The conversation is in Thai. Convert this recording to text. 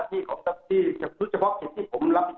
มุมมองของผมเนี่ยการไล่จับปุ๊บเนื้อกับเป็นหน้าที่ของทัศน์ที่